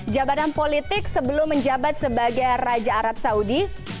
jabatan politik sebelum menjabat sebagai raja arab saudi